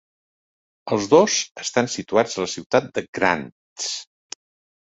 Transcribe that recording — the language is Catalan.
Els dos estan situats a la ciutat de Grants.